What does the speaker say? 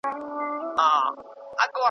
بیا به زه، بیا به ګودر وي، بیا دښتونه مستومه .